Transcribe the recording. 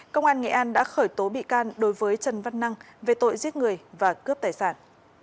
công an nghệ an đã khởi tố bị can đối với trần văn năng về tội giết người và cướp tài sản